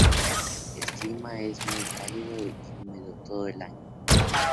El clima es muy cálido y húmedo todo el año.